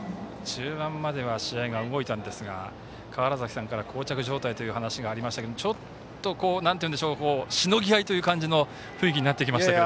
中盤までは試合が動いたんですが川原崎さんから、こう着状態という話がありましたがちょっとしのぎ合いという感じの雰囲気になってきました。